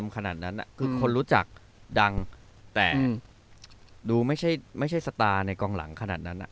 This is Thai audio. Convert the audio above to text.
ขนาดนั้นน่ะคือคนรู้จักดังแต่อืมดูไม่ใช่ไม่ใช่สตาร์ในกองหลังขนาดนั้นน่ะ